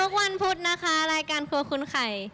วันพุธนะคะรายการครัวคุณไข่